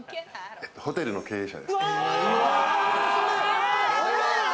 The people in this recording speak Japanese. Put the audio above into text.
ホテルの経営者です。